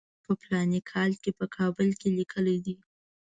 په فلاني کال کې په کابل کې لیکلی دی.